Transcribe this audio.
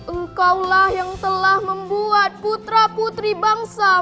engkau lah yang telah membuat putra putri bangsa